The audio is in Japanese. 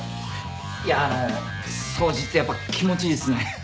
いやあの掃除ってやっぱ気持ちいいですね。